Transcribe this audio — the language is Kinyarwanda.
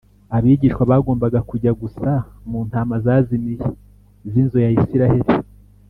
abigishwa bagombaga kujya gusa “mu ntama zazimiye z’inzu ya isiraheri”